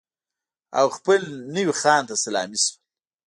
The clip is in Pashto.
او خپل نوي خان ته سلامي شول.